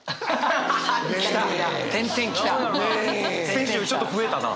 先週よりちょっと増えたな。